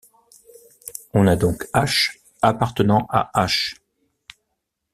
On a donc h ∈ h.